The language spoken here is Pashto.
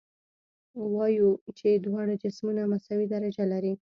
وایو چې دواړه جسمونه مساوي درجه لري.